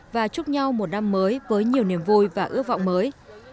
và chúc nhau một năm mới với nhiều niềm vui và ước vọng mới